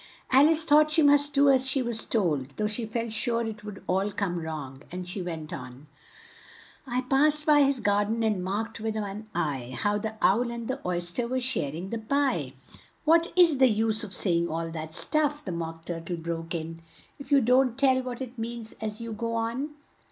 '" Al ice thought she must do as she was told, though she felt sure it would all come wrong, and she went on: "I passed by his gar den and marked with one eye, How the owl and the oys ter were shar ing the pie." "What is the use of say ing all that stuff!" the Mock Tur tle broke in, "if you don't tell what it means as you go on?